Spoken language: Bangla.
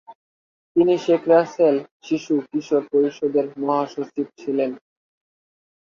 তিনি শেখ রাসেল শিশু কিশোর পরিষদের মহাসচিব ছিলেন।